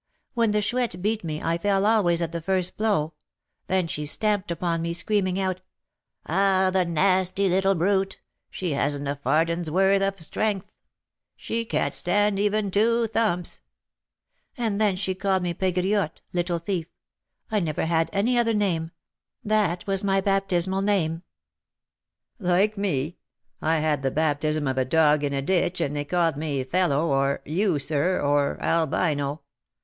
When the Chouette beat me I fell always at the first blow; then she stamped upon me, screaming out, 'Ah, the nasty little brute! she hasn't a farden's worth of strength, she can't stand even two thumps!' And then she called me Pegriotte (little thief). I never had any other name, that was my baptismal name." "Like me. I had the baptism of a dog in a ditch, and they called me 'Fellow,' or 'You, sir,' or 'Albino.'